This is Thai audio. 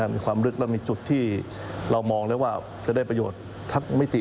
มีความลึกและมีจุดที่เรามองได้ว่าจะได้ประโยชน์ทั้งมิติ